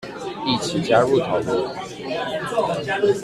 一起加入討論